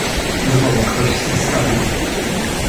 "zawołał ktoś z estrady."